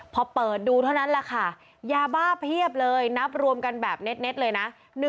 พอเปิดดูเท่านั้นแหละค่ะยาบ้าเพียบเลยนับรวมกันแบบเน็ตเลยนะ